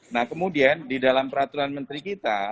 nah kemudian di dalam peraturan menteri kita